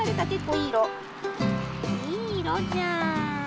いいいろじゃん。